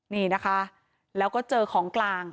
นี่นะคะแล้วก็เจอของกลาง